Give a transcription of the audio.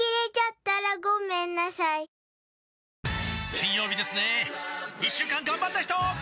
金曜日ですね一週間がんばった人！